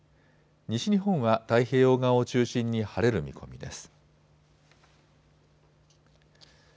西日本は太平洋側を中心に晴れる見込みです。